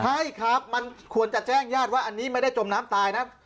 ใช่ครับมันควรจะแจ้งญาติว่าอันนี้ไม่ได้จมน้ำตายนะ